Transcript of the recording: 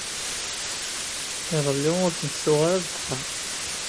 Iḍelli ur tent-tuɣ ara deg uxxam.